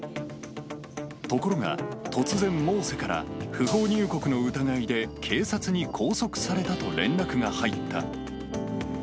ところが、突然、モーセから不法入国の疑いで警察に拘束されたと連絡が入った。